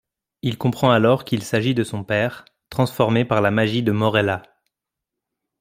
Il comprend alors qu'il s'agit de son père, transformé par la magie de Morella.